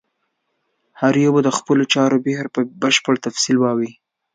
هر یو به د خپلو چارو بهیر په بشپړ تفصیل ووایي.